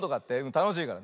たのしいから。